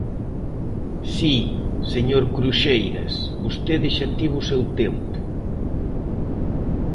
Si, señor Cruxeiras, vostede xa tivo o seu tempo.